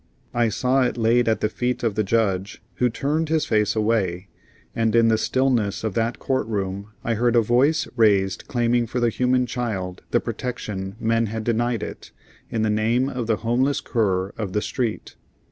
I saw it laid at the feet of the judge, who turned his face away, and in the stillness of that court room I heard a voice raised claiming for the human child the protection men had denied it, in the name of the homeless cur of the street.